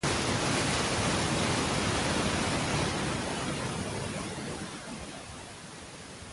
Que con cincel de hierro y con plomo Fuesen en piedra esculpidas para siempre!